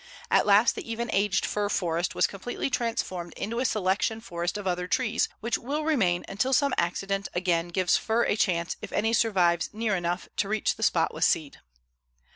At last the even aged fir forest was completely transformed into a selection forest of other trees, which will remain until some accident again gives fir a chance if any survives near enough to reach the spot with seed.